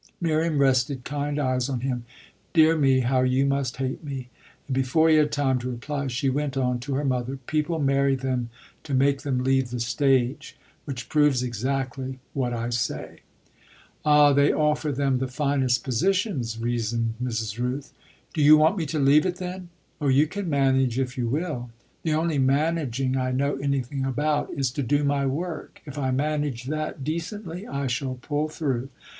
Miriam rested kind eyes on him. "Dear me, how you must hate me!" And before he had time to reply she went on to her mother: "People marry them to make them leave the stage; which proves exactly what I say." "Ah they offer them the finest positions," reasoned Mrs. Rooth. "Do you want me to leave it then?" "Oh you can manage if you will!" "The only managing I know anything about is to do my work. If I manage that decently I shall pull through."